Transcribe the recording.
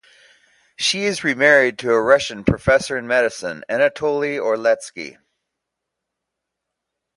She is remarried to a Russian professor in medicine, Anatoly Orletsky.